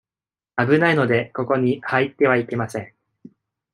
危ないので、ここに入ってはいけません。